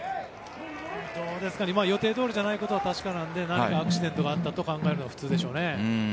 予定どおりじゃないことは確かなので何かアクシデントがあったと考えるのが普通でしょうね。